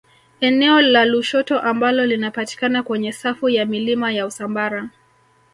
Eneo la Lushoto ambalo linapatikana kwenye safu ya milima ya Usambara